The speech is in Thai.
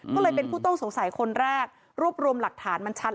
ก็เลยเป็นผู้ต้องสงสัยคนแรกรวบรวมหลักฐานมันชัด